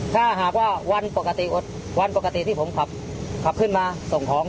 ถ้าหากว่าวันปกติที่ผมขับขึ้นมาส่งท้อง